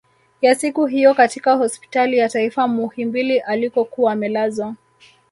Ya siku hiyo katika hospitali ya taifa Muhimbili alikokuwa amelazwa